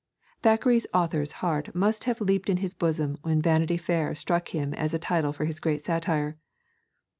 Thackeray's author's heart must have leaped in his bosom when Vanity Fair struck him as a title for his great satire.